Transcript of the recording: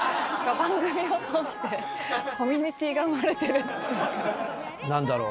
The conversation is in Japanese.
番組を通して、コミュニティーが生まれてるっていう。